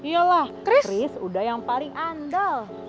yelah kris udah yang paling andal